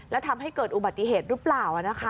แล้วทำให้เกิดอุบัติเหตุหรือเปล่า